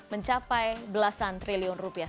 mencapai belasan triliun rupiah